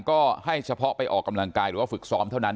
ก็ให้เฉพาะไปออกกำลังกายหรือว่าฝึกซ้อมเท่านั้น